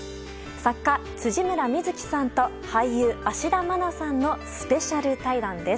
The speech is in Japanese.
作家・辻村深月さんと俳優・芦田愛菜さんのスペシャル対談です。